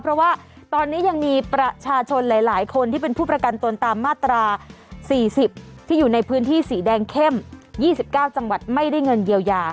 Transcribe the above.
เพราะว่าตอนนี้ยังมีประชาชนหลายคนที่เป็นผู้ประกันตนตามมาตรา๔๐ที่อยู่ในพื้นที่สีแดงเข้ม๒๙จังหวัดไม่ได้เงินเยียวยา